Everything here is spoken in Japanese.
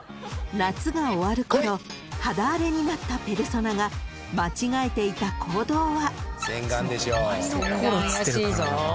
［夏が終わるころ肌荒れになったペルソナが間違えていた行動は］